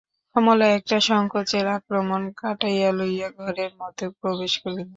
কমলা একটা সংকোচের আক্রমণ কাটাইয়া লইয়া ঘরের মধ্যে প্রবেশ করিল।